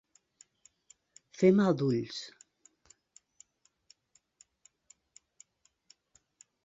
Fer mal d'ulls.